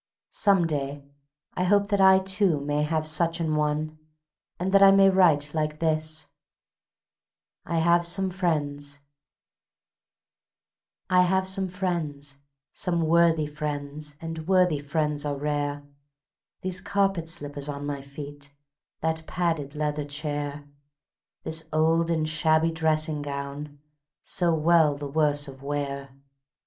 Some day I hope that I too may have such an one, and that I may write like this: I Have Some Friends I have some friends, some worthy friends, And worthy friends are rare: These carpet slippers on my feet, That padded leather chair; This old and shabby dressing gown, So well the worse of wear.